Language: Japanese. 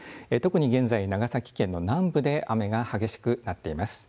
現在、長崎県の南部で雨が激しくなっています。